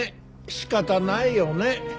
仕方ないよね。